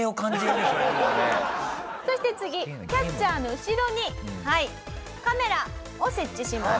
そして次キャッチャーの後ろにカメラを設置します。